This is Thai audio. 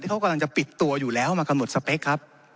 ที่กำหนดจะปิดตัวอยู่แล้วมากันหมดสเปกครับ